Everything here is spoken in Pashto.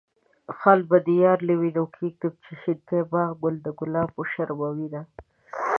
خال به د يار له وينو کيږدم، چې شينکي باغ کې ګل ګلاب وشرموينه.